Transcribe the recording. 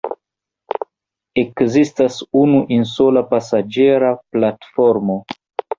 Ekzistas unu insula pasaĝera platformo.